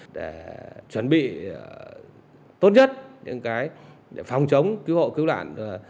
để chuẩn bị tốt nhất những cái phòng chống cứu hộ cứu đoạn